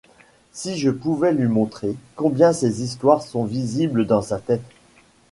Si je pouvais lui montrer combien ces histoires sont visibles dans sa tête.